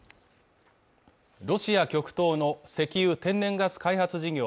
ロシア極東の石油天然ガス開発事業